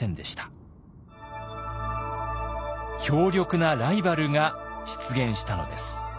強力なライバルが出現したのです。